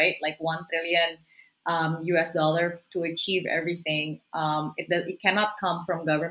itu tidak dapat datang dari pemerintah secara sendirian